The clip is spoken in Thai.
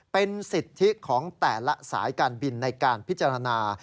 เป็นสิทธิของแต่ละสายการบินในการพิจารณา